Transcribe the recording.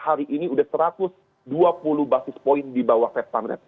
hari ini udah satu ratus dua puluh basis point di bawah fed fund rate